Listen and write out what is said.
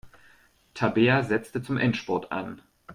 Tabea setzte zum Endspurt an.